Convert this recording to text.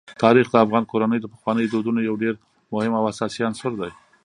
تاریخ د افغان کورنیو د پخوانیو دودونو یو ډېر مهم او اساسي عنصر دی.